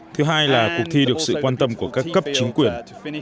thứ hai là cuộc thi được sự quan tâm của các cấp chính quyền